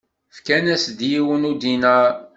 Fkan-as-d yiwen n udinaṛ.